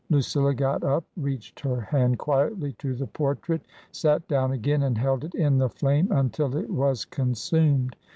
Lucilla got up, reached her hand quietly to the portrait, sat down again, and held it in the dame until it was consumed.